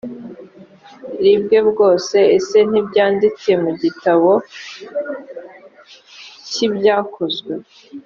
ri bwe bwose ese ntibyanditse mu gitabo a cy ibyakozwe